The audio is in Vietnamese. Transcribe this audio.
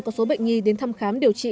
có số bệnh nghi đến thăm khám điều trị